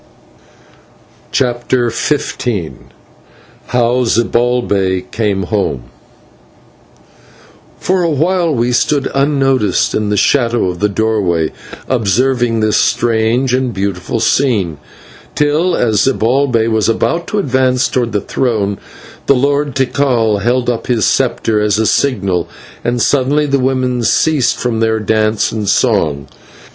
CHAPTER XV HOW ZIBALBAY CAME HOME For a while we stood unnoticed in the shadow of the doorway, observing this strange and beautiful scene, till, as Zibalbay was about to advance towards the throne, the Lord Tikal held up his sceptre as a signal, and suddenly the women ceased from their dance and song.